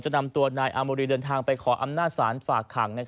นำตัวนายอาโมรีเดินทางไปขออำนาจศาลฝากขัง